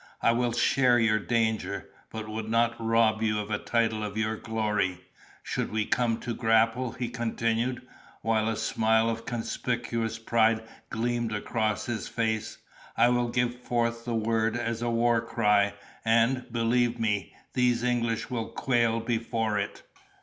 I will share your danger, but would not rob you of a tittle of your glory. Should we come to a grapple," he continued, while a smile of conscious pride gleamed across his face, "I will give forth the word as a war cry, and, believe me, these English will quail before it!"